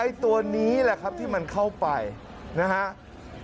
ตัวนี้แหละครับที่มันเข้าไปนะครับ